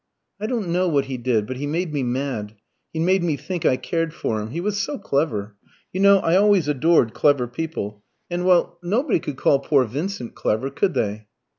"I don't know what he did, but he made me mad; he made me think I cared for him. He was so clever. You know I always adored clever people; and, well nobody could call poor Vincent clever, could they?"